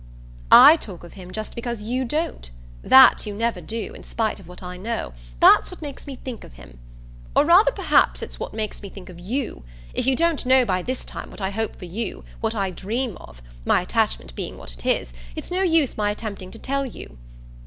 "I talk of him just because you don't. That you never do, in spite of what I know that's what makes me think of him. Or rather perhaps it's what makes me think of YOU. If you don't know by this time what I hope for you, what I dream of my attachment being what it is it's no use my attempting to tell you."